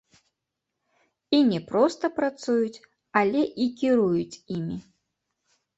І не проста працуюць, але і кіруюць імі.